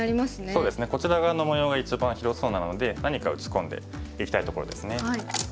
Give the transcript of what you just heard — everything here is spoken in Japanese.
そうですねこちら側の模様が一番広そうなので何か打ち込んでいきたいところですね。